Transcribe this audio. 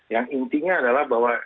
yang intinya adalah bahwa